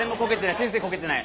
先生こけてない。